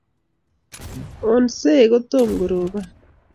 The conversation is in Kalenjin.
ounsei kotom ko robon